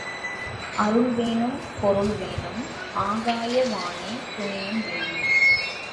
அருள் வேணும் பொருள்வேணும் ஆகாய வாணி துணையும் வேணும்.